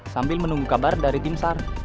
sambil menunggu kabar dari tim sar